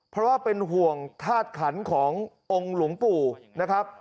เพราะว่าเป็นห่วงธาตุขันขององค์หลวงปู่นะครับ